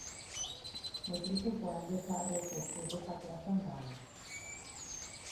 Mutrikuko Alde Zaharreko Txurruka plazan dago.